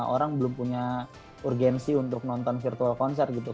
orang belum punya urgensi untuk nonton virtual concert gitu